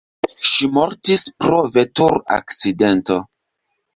Ŝi mortis pro vetur-akcidento.